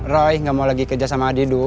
roy gak mau lagi kerja sama adidu